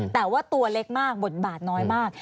แต่ว่าตัวเล็กมากบทบาทน้อยมาก